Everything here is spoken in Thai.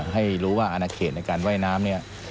ให้รู้ว่าอนาเขตในการว่ายน้ำเนี่ย